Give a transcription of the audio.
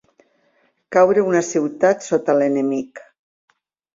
Caure una ciutat sota l'enemic.